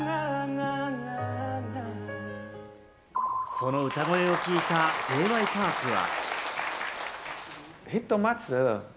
その歌声を聴いたＪ．Ｙ．Ｐａｒｋは。